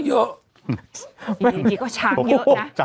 อยู่ดีก็ช้างเยอะนะ